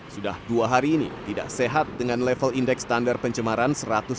sudah dua hari ini tidak sehat dengan level indeks standar pencemaran